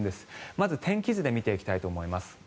まず、天気図で見ていきたいと思います。